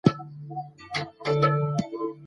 سیال هیواد سرحدي شخړه نه پیلوي.